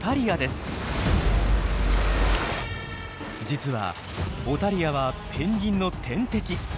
実はオタリアはペンギンの天敵。